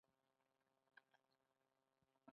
پاچا صاحب ګلداد خان ته مخ ور واړاوه.